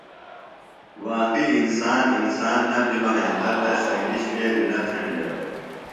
واقعی انسان، انسان نہ بِھلوۡ ہینتہ تس سنگیۡ شُوویلیۡ نہ تھینڈیوۡ